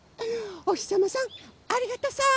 おひさまさんありがとさん！